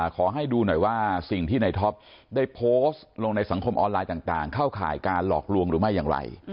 ขอให้ดูหน่อยว่าสิ่งที่ในท็อปได้โพสต์ลงในสังคมออนไลน์ต่างเข้าข่ายการหลอกลวงหรือไม่อย่างไร